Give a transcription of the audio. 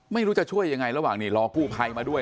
ไม่รู้จะช่วยยังไงระหว่างนี้รอกู้ภัยมาด้วย